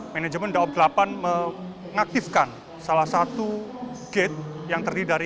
manajemen daob delapan mengaktifkan salah satu gate yang terdiri dari